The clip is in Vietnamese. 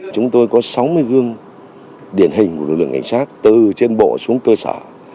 chúng tôi có sáu mươi gương điển hình của lực lượng cảnh sát từ trên bộ xuống cơ sở